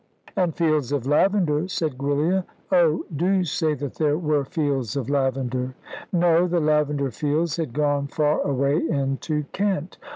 "And fields of lavender," said Giulia. "Oh, do say that there were fields of lavender!" "No, the lavender fields had gone far away into Kent.